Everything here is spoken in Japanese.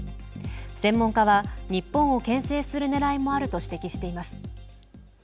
専門家は日本をけん制するねらいもあると指摘しています。